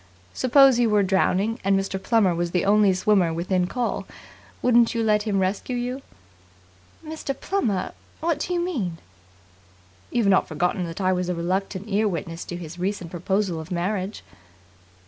Suppose you were drowning and Mr. Plummer was the only swimmer within call, wouldn't you let him rescue you?" "Mr. Plummer? What do you mean?" "You've not forgotten that I was a reluctant ear witness to his recent proposal of marriage?"